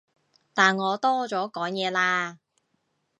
但我多咗講嘢啦